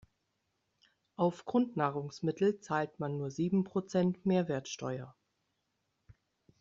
Auf Grundnahrungsmittel zahlt man nur sieben Prozent Mehrwertsteuer.